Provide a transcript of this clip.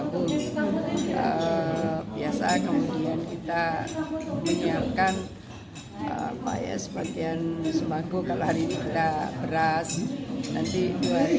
biasa kemudian kita menyiapkan apa ya sebagian semangkuk kalau hari kita beras nanti dua hari